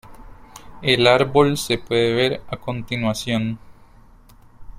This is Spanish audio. El árbol se puede ver a continuación.